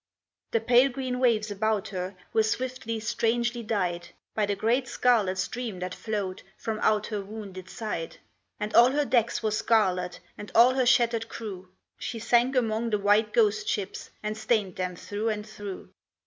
The pale green waves about her Were swiftly, strangely dyed, By the great scarlet stream that flowed From out her wounded side. And all her decks were scarlet And all her shattered crew. She sank among the white ghost ships And stained them through and through.